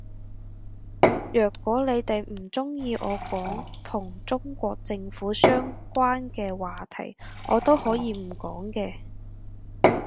若果你哋唔鍾意我講同中國政府相關嘅話題我都可以唔講嘅